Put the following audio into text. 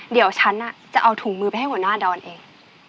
เดี๋ยวฉันจะเอาถุงมือไปให้หัวหน้าดอนเอง